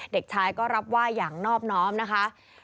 เด็กชายก็รับไหว้อย่างนอบน้อมนะคะ